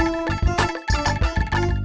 jangan sampai sampai